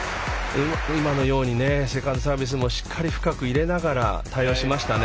今のようにセカンドサービスもしっかり深く入れながら対応しましたね。